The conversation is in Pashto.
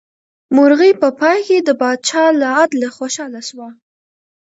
مرغۍ په پای کې د پاچا له عدله خوشحاله شوه.